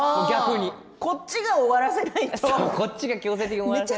こっちが終わらせないとって。